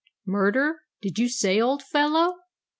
"Murder did you say, old fellow?"